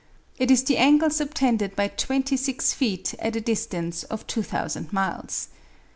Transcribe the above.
It is the angle subtended by twenty six feet at a distance of 2,000 miles.